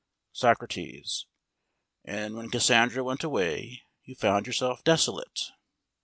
SOCRATES: And when Cassandra went away you found yourself desolate?